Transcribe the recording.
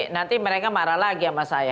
nanti mereka marah lagi sama saya